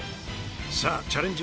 さあチャレンジ